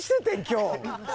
今日。